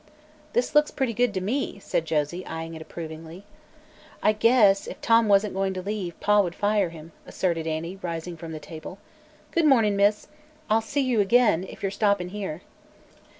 "This looks pretty good to me," said Josie, eyeing it approvingly. "I guess, if Tom wasn't goin' to leave, Pa would fire him," asserted Annie, rising from the table. "Good mornin', miss; I'll see you again, if you're stoppin' here."